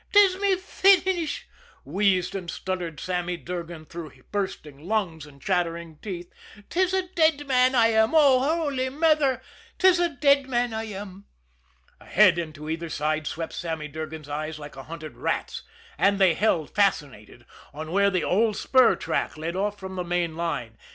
"'Tis my finish," wheezed and stuttered Sammy Durgan through bursting lungs and chattering teeth. "'Tis a dead man, I am oh, Holy Mither 'tis a dead man I am!" Ahead and to either side swept Sammy Durgan's eyes like a hunted rat's and they held, fascinated, on where the old spur track led off from the main line.